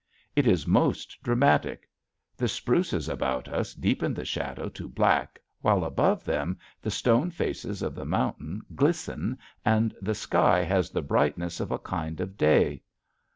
It is most dramatic; the spruces about us deepen the shadow to black while above them the stone faces of the mountain glisten and the sky has the brightness of a kind of day.